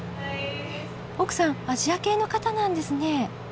奥さんアジア系の方なんですね。